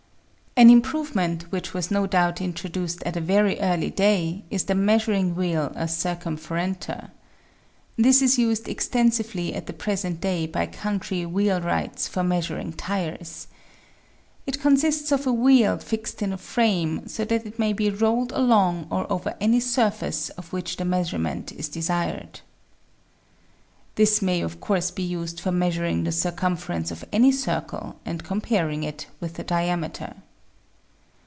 An improvement which was no doubt introduced at a very early day is the measuring wheel or circumferentor. This is used extensively at the present day by country wheelwrights for measuring tires. It consists of a wheel fixed in a frame so that it may be rolled along or over any surface of which the measurement is desired. This may of course be used for measuring the circumfer ence of any circle and comparing it with the diameter.